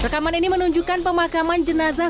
rekaman ini menunjukkan pemakaman jenazah